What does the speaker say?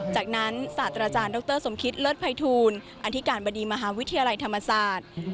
จากนั้นศาสตราจารย์ดรสมคิตเลิศภัยทูลอธิการบดีมหาวิทยาลัยธรรมศาสตร์